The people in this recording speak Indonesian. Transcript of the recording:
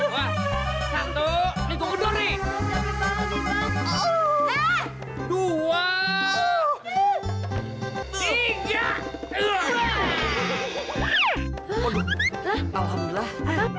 dua satu ini gua kedor nih dua tiga dua alhamdulillah